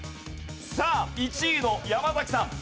さあ１位の山崎さん。